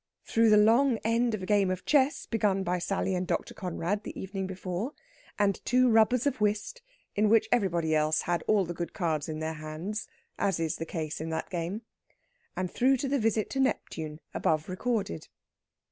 Through the long end of a game of chess begun by Sally and Dr. Conrad the evening before, and two rubbers of whist, in which everybody else had all the good cards in their hands, as is the case in that game. And through the visit to Neptune above recorded.